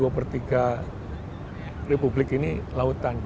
dua per tiga republik ini lautan